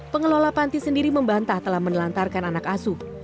pengelola panti sendiri membantah telah menelantarkan anak asuh